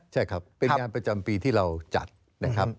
ใช่ครับเป็นงานประจำปีที่เราจัดนะครับ